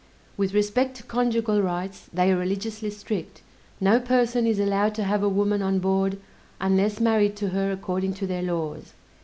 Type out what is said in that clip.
With respect to conjugal rights they are religiously strict; no person is allowed to have a woman on board, unless married to her according to their laws.